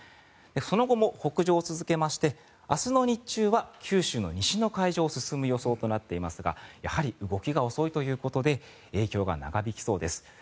その後も北上を続けまして明日の日中は九州の西の海上を進む予想となっていますがやはり動きが遅いということで影響が長引きそうですｌ。